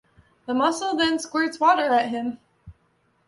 The mussel then squirts water at him.